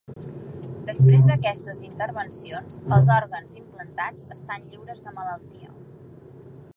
Després d’aquestes intervencions, els òrgans implantats estan lliures de la malaltia.